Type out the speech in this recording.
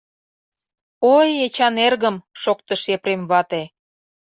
— Ой, Эчан эргым! — шоктыш Епрем вате.